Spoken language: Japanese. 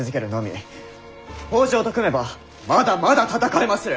北条と組めばまだまだ戦えまする！